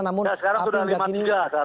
namun api tidak ini